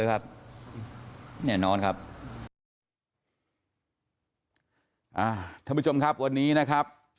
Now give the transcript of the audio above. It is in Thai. ท่านผู้ชมครับวันนี้นะครับ